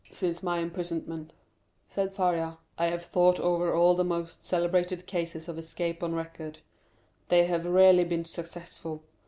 0209m "Since my imprisonment," said Faria, "I have thought over all the most celebrated cases of escape on record. They have rarely been successful.